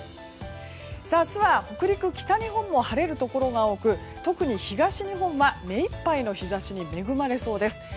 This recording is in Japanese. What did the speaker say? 明日は北陸、北日本も晴れるところが多く特に東日本は目いっぱいの日差しに恵まれそうです。